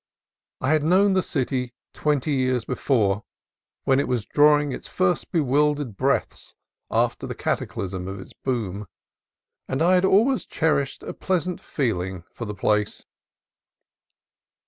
I had known the city twenty years before, when it was drawing its first bewildered breaths after the cataclysm of its boom, and I had always cherished a pleasant feeling for the place.